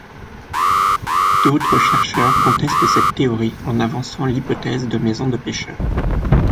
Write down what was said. D'autres chercheurs contestent cette théorie en avançant l'hypothèse de maisons de pêcheurs.